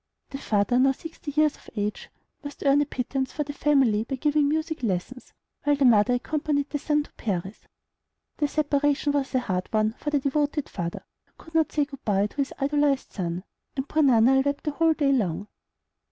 The father, now sixty years of age, must earn a pittance for the family by giving music lessons, while the mother accompanied the son to Paris. The separation was a hard one for the devoted father, who could not say good by to his idolized son, and poor Nannerl wept the whole day long.